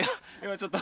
ちょっと。